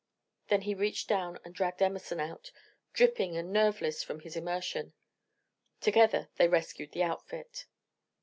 Then he reached down and dragged Emerson out, dripping and nerveless from his immersion. Together they rescued the outfit.